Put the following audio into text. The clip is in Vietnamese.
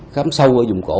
khám sâu ở vùng cổ